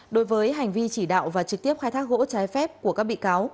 đối với hành vi chỉ đạo và trực tiếp khai thác gỗ trái phép của các bị cáo